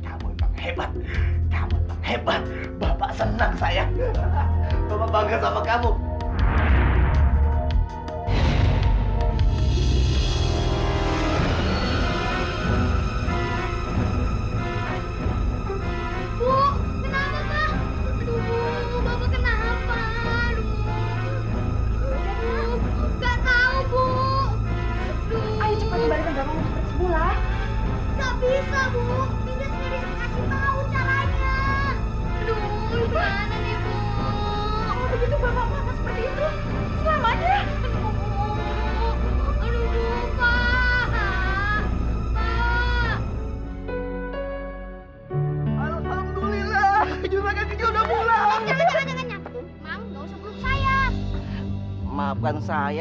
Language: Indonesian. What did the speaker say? ya allah hati hati batunya